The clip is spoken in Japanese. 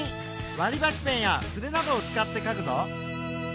わりばしペンや筆などを使ってかくぞ。